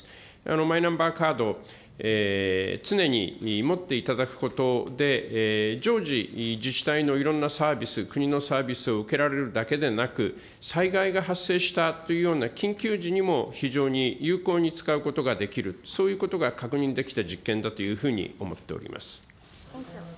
マイナンバーカード、常に持っていただくことで常時、自治体のいろんなサービス、国のサービスを受けられるだけでなく、災害が発生したというような緊急時にも、非常に有効に使うことができる、そういうことが確認できた実験だというふうに思っております。